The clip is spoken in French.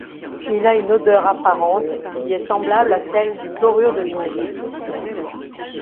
Il a une odeur apparente qui est semblable à celle du chlorure de vinyle.